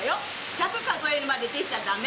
１００数えるまで出ちゃダメ。